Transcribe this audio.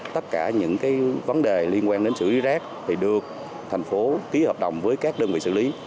tất cả những vấn đề liên quan đến xử lý rác được thành phố ký hợp đồng với các đơn vị xử lý